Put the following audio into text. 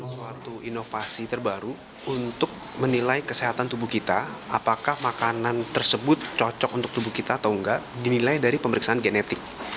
suatu inovasi terbaru untuk menilai kesehatan tubuh kita apakah makanan tersebut cocok untuk tubuh kita atau enggak dinilai dari pemeriksaan genetik